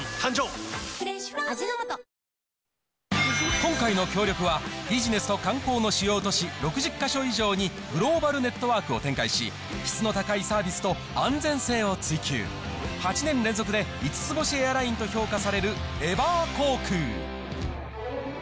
今回の協力は、ビジネスと観光の主要都市６０か所以上に、グローバルネットワークを展開し、質の高いサービスと、安全性を追求、８年連続で５つ星エアラインと評価されるエバー航空。